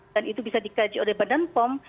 itu bisa dikaji oleh badan pom